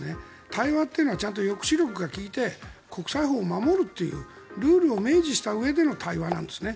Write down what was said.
対話というのはちゃんと抑止力が利いて国際法を守るというルールを明示したうえでの対話なんですね。